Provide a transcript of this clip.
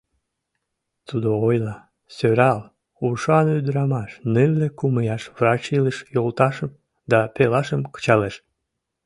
Тудо ойла: «Сӧрал, ушан ӱдырамаш, нылле кум ияш врач илыш йолташым да пелашым кычалеш.